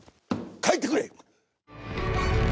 帰ってくれ！